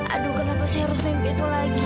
aduh kenapa saya harus mimpi itu lagi